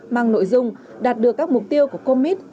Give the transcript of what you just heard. mang nội dung đạt được các mục tiêu của comit